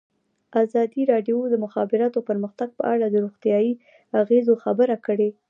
ازادي راډیو د د مخابراتو پرمختګ په اړه د روغتیایي اغېزو خبره کړې.